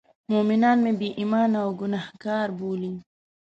مومنان مې بې ایمانه او ګناه کار بولي.